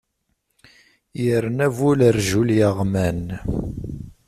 Yerna bu lerjul yeɣman.